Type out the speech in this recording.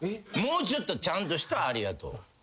もうちょっとちゃんとしたありがとう。